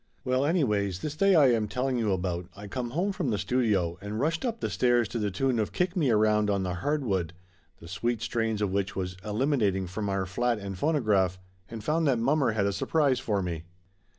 Well anyways, this day I am telling you about, I come home from the studio, and rushed up the stairs to the tune of Kick Me Around on the Hardwood, the sweet strains of which was eliminating from our flat and phonograph, and found that mommer had a sur prise for me.